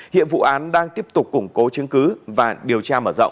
hiện vụ án đang tiếp tục củng cố chứng cứ và điều tra mở rộng